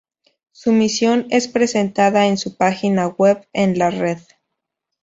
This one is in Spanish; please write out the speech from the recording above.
Su misión es presentada en su página web en la red.